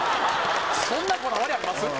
そんなこだわりあります？